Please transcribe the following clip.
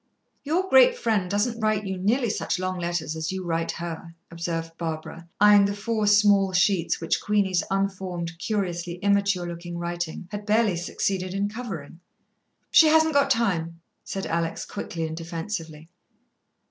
"Your great friend doesn't write you nearly such long letters as you write her," observed Barbara, eyeing the four small sheets which Queenie's unformed, curiously immature looking writing had barely succeeded in covering. "She hasn't got time," said Alex quickly and defensively.